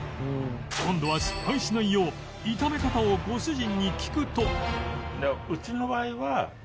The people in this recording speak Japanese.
今度は失敗しないよう炒め方をご主人に聞くと